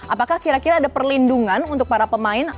apakah kira kira ada perlindungan untuk para pemain